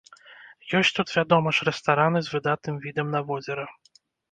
Ёсць тут, вядома ж, рэстараны з выдатным відам на возера.